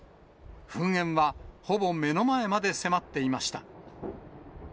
噴煙はほぼ目の前まで迫っていました。